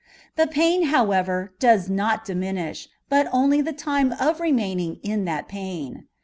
The pain, however, does not diminish, but only the time of remaining in that pain.